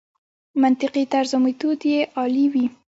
منطقي طرز او میتود یې عالي وي.